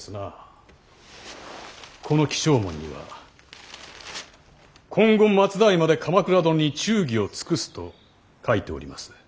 この起請文には今後末代まで鎌倉殿に忠義を尽くすと書いております。